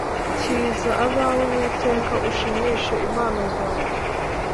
Kiza abawe uwiteka ushimishe impano zawe